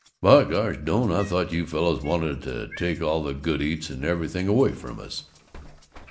"But gosh, Doane, I thought you fellows wanted to take all the good eats and everything away from us."